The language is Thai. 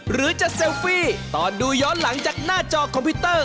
หรือจะเซลฟี่ตอนดูย้อนหลังจากหน้าจอคอมพิวเตอร์